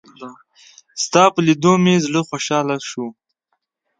ستا په لېدو مې زړه خوشحاله شو.